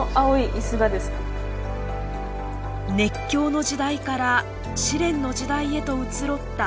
熱狂の時代から試練の時代へと移ろった３０年。